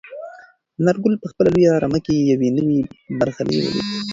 انارګل په خپله لویه رمه کې یو نوی برغلی ولید.